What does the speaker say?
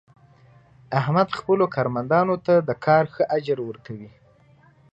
احمد خپلو کارمندانو ته د کار ښه اجر ور کوي.